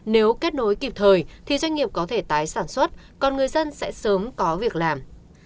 nếu kết nối kịp thời thì doanh nghiệp có thể tái sản xuất còn người dân sẽ sớm có việc làm